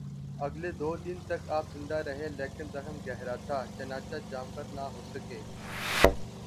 اگلے دو دن تک آپ زندہ رہے لیکن زخم گہرا تھا، چنانچہ جانبر نہ ہو سکے